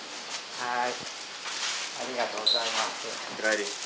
はい。